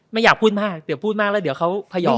ไม่อยากพูดมากเดี๋ยวพูดมากแล้วเดี๋ยวเขาพยอม